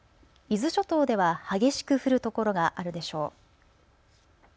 伊豆諸島では激しく降る所があるでしょう。